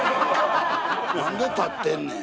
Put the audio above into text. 何で立ってんねん。